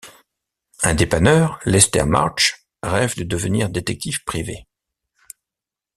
Un dépanneur, Lester March, rêve de devenir détective privé.